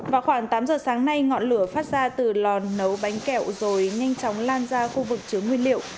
vào khoảng tám giờ sáng nay ngọn lửa phát ra từ lò nấu bánh kẹo rồi nhanh chóng lan ra khu vực chứa nguyên liệu